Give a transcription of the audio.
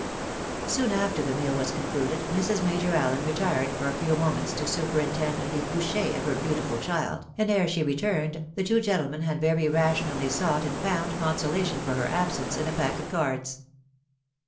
Soon after the meal was concluded, Mrs. Major Allen retired for a few moments to superintend the coucher of her beautifvd child, and, ere she returned, the two gentlemen had very rationally sought and found consolation for her absence in a pack of cards.